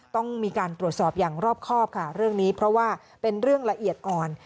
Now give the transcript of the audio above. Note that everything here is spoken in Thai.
ต้องมีการตรวจสอบอย่างรอบครอบค่ะเรื่องนี้เพราะว่าเป็นเรื่องละเอียดอ่อน